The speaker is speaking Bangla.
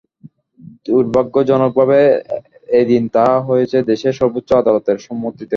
দুর্ভাগ্যজনকভাবে এদিন তা হয়েছে দেশের সর্বোচ্চ আদালতের সম্মতিতে।